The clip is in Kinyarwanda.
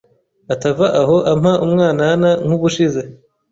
atava aho ampa umwanana nk'ubushize